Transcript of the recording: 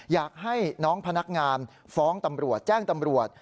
อยากให้น้องพนักงานฟ้องตำรวจแจ้งตำรวจ